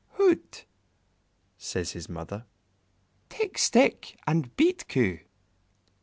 "Hout!" says his mother, "take stick and beat Coo."